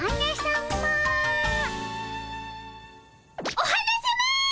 お花さま！